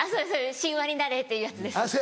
「神話になれ」っていうやつです。